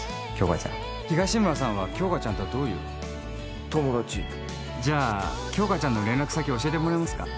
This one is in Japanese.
杏花ちゃん東村さんは杏花ちゃんとはどういう友達じゃあ杏花ちゃんの連絡先教えてもらえますか？